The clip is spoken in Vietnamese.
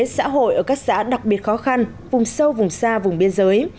xã hội ở các xã đặc biệt khó khăn vùng sâu vùng xa vùng biên giới